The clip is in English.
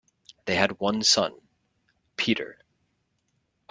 They had one son, Peter.